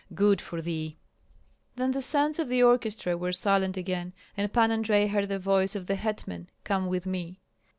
good for thee!" Then the sounds of the orchestra were silent again, and Pan Andrei heard the voice of the hetman: "Come with me."